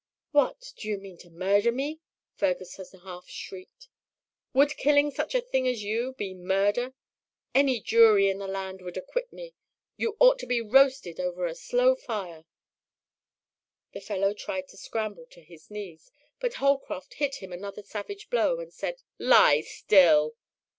"What, do you mean to murder me?" Ferguson half shrieked. "Would killing such a thing as you be murder? Any jury in the land would acquit me. You ought to be roasted over a slow fire." The fellow tried to scramble on his knees, but Holcroft hit him another savage blow, and said, "Lie still!"